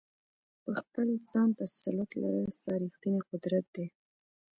په خپل ځان تسلط لرل ستا ریښتینی قدرت دی.